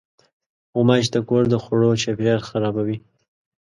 غوماشې د کور د خوړو چاپېریال خرابوي.